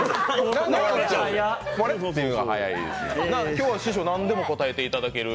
今日は師匠、何でも答えていただける？